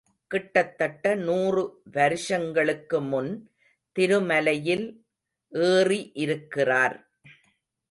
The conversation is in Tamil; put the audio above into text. கிட்டத்தட்ட நூறு வருஷங்களுக்கு முன் திருமலையில் ஏறி இருக்கிறார்.